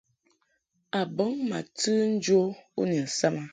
A bɔŋ ma tɨ njo u ni nsam a.